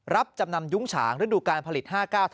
รับจำนำยุ้งฉางฤดูการผลิต๕๙